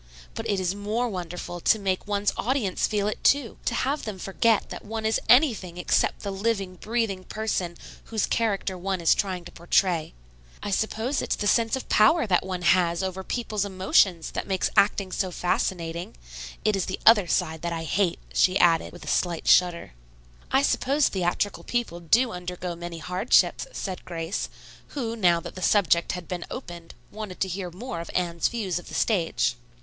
But it is more wonderful to make one's audience feel it, too. To have them forget that one is anything except the living, breathing person whose character one is trying to portray. I suppose it's the sense of power that one has over people's emotions that makes acting so fascinating. It is the other side that I hate," she added, with a slight shudder. "I suppose theatrical people do undergo many hardships," said Grace, who, now that the subject had been opened, wanted to hear more of Anne's views of the stage.